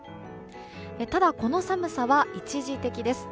ただ、この寒さは一時的です。